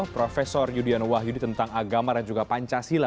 profesor yudhian wahyudi tentang agama dan juga pancasila